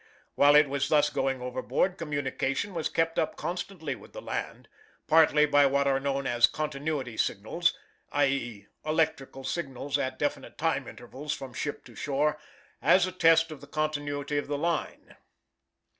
While it was thus going overboard, communication was kept up constantly with the land, partly by what are known as "continuity signals" i. e., electrical signals at definite time intervals from ship to shore, as a test of the continuity of the line.